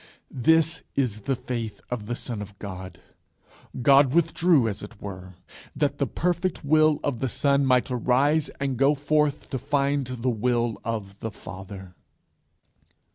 This is the Faith of the Son of God. God withdrew, as it were, that the perfect Will of the Son might arise and go forth to find the Will of the Father.